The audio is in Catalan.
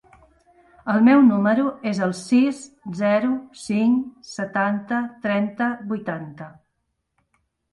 El meu número es el sis, zero, cinc, setanta, trenta, vuitanta.